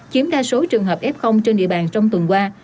chiếm đa số trường hợp f trên địa bàn trong tuần qua